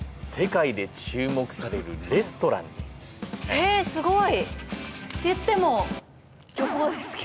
ええ、すごい！